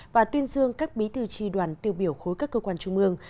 và tuyên dương các bí thư tri đoàn tiêu biểu khối các cơ quan trung ương